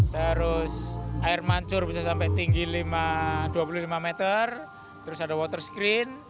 terus air mancur bisa sampai tinggi dua puluh lima meter terus ada water screen